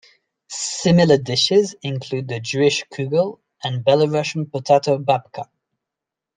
Similar dishes include the Jewish kugel and Belarusian potato babka.